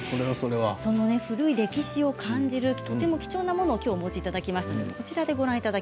その古い歴史を感じるとても貴重なものをお持ちいただきました。